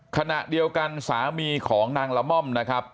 ขณะเดียวกันสามีของนางละม่อมนะครับ